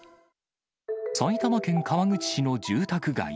埼玉県川口市の住宅街。